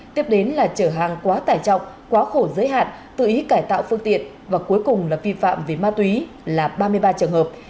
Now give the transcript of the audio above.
tiếp đến là trở hàng quá tải trọng quá khổ giới hạn tự ý cải tạo phương tiện và cuối cùng là vi phạm về ma túy là ba mươi ba trường hợp